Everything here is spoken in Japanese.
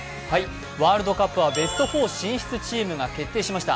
ワールドカップはベスト４が進出チームが決定しました。